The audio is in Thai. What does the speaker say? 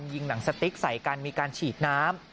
หนังสติ๊กใส่กันมีการฉีดน้ำ